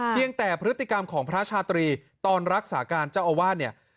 ยังแต่พฤติกรรมของพระชาตรีตอนรักษาการเจ้าอาวาสเนี่ย